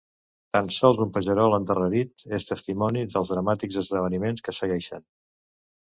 Tan sols un pagerol endarrerit és testimoni dels dramàtics esdeveniments que segueixen.